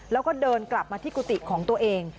แล้วก็เดินกลับมาที่กุฏิของตัวเอง